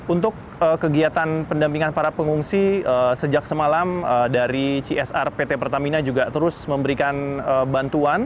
untuk kegiatan pendampingan para pengungsi sejak semalam dari csr pt pertamina juga terus memberikan bantuan